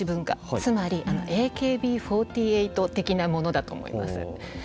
つまりＡＫＢ４８的なものだと思います。